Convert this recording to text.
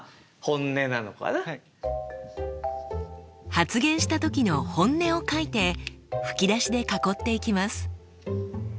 発言した時の本音を書いて吹き出しで囲っていきます。